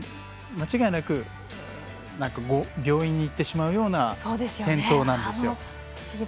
間違いなく病院に行ってしまうような転倒だったんですよ。